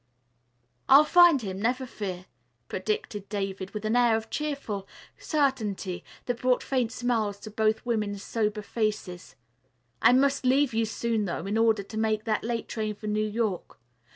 "I'll find him, never fear," predicted David with an air of cheerful certainty that brought faint smiles to both women's somber faces. "I must leave you soon, though, in order to make that late train for New York.